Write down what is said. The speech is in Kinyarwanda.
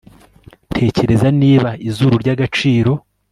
Tekereza niba izuru ryagaciro